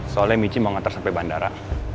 soalnya michi mau ngetar sampe bandara